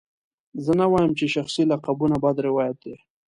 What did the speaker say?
زه نه وایم چې شخصي لقبونه بد روایت دی.